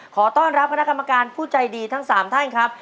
ขอต้อนรับคณะกรรมการผู้ใจดีทั้ง๓ท่านครับ